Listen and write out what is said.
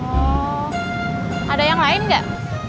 oh ada yang lain nggak